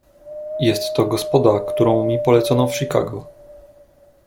"Jest to gospoda, którą mi polecono w Chicago."